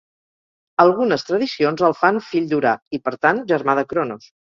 Algunes tradicions el fan fill d'Urà, i per tant, germà de Cronos.